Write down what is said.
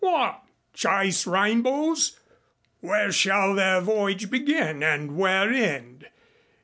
"What? Chase rainbows? Where shall their voyage begin and where end?